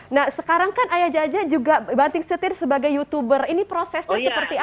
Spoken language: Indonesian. nah sekarang kan ayah jaja juga banting setir sebagai youtuber ini prosesnya seperti apa